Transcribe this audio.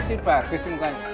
cip bagus mukanya